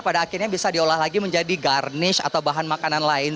pada akhirnya bisa diolah lagi menjadi garnish atau bahan makanan lain